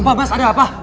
apa mas ada apa